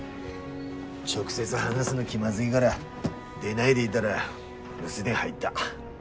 直接話すの気まずいがら出ないでいだら留守電入った。